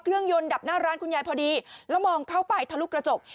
ยนต์ดับหน้าร้านคุณยายพอดีแล้วมองเข้าไปทะลุกระจก